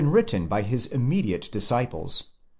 written by his immediate disciples.